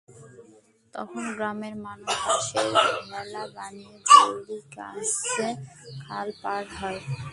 তখন গ্রামের মানুষ বাঁশের ভেলা বানিয়ে জরুরি কাজে খাল পার হয়।